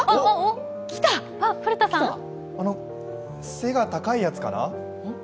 背が高いやつかな？